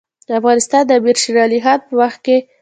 افغانستان د امیر شیرعلي خان په وخت کې.